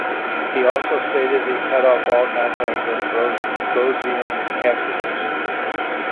He also stated that he cut off all contact with Rogozin afterwards.